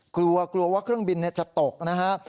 กลัวกลัวว่าเครื่องบินจะตกนะครับ